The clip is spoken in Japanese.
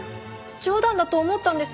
冗談だと思ったんです。